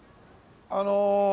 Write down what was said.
あの。